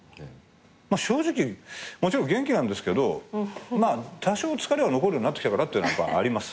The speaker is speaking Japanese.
正直もちろん元気なんですけど多少疲れは残るようになってきたってのはあります。